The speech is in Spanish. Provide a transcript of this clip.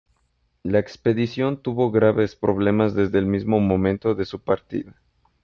La expedición tuvo graves problemas desde el mismo momento de su partida.